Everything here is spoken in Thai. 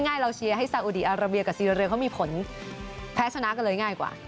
ง่ายเราเชียร์ให้ซาอุดีอาราเบียกับซีเรียเขามีผลแพ้ชนะกันเลยง่ายกว่า